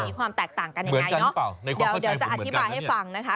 ความแตกต่างกันยังไงเนาะเดี๋ยวจะอธิบายให้ฟังนะคะ